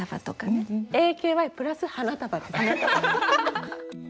ＡＫＹプラス花束ですね。